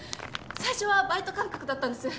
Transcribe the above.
最初はバイト感覚だったんです。